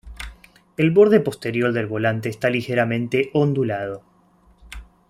El borde posterior del volante está ligeramente ondulado.